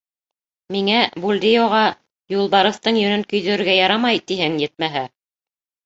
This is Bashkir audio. Миңә, Бульдеоға, юлбарыҫтың йөнөн көйҙөрөргә ярамай, тиһең, етмәһә.